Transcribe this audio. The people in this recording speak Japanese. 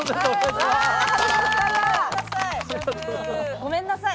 ごめんなさい。